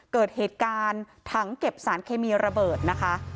เกิดเหตุการณ์ถังเก็บสารเคมีระเบิดนะคะ